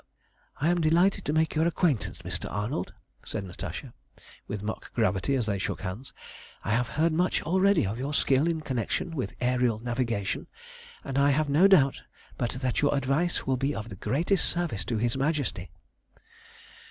"I am delighted to make your acquaintance, Mr. Arnold," said Natasha, with mock gravity as they shook hands. "I have heard much already of your skill in connection with aërial navigation, and I have no doubt but that your advice will be of the greatest service to his Majesty."